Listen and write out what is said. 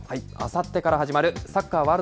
あさってから始まるサッカー